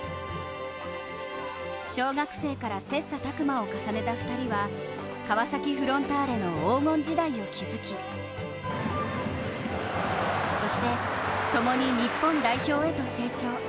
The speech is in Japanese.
小学生から切磋琢磨を重ねた２人は川崎フロンターレの黄金時代を築きそして、共に日本代表へと成長。